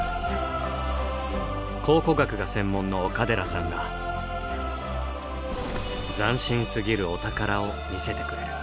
考古学が専門の岡寺さんが斬新すぎるお宝を見せてくれる。